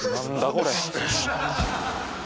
これ。